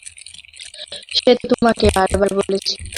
সে তো তোমাকে বারবার বলেছি।